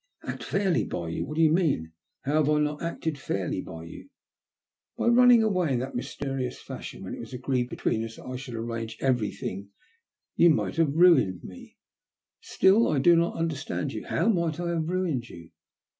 " Act fairly by you ? What do you mean ? How have I not acted fairly by you ?" ''By running away in that mysterious fashion, when it was agreed between us that I should arrange everything. You might have ruined me." "Still I do not understand you! How might I have ruined you?"